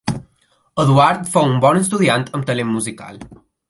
Eduard fou un bon estudiant amb talent musical.